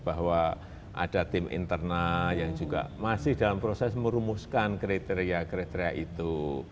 bahwa ada tim internal yang juga masih dalam proses merumuskan kriteria kriteria itu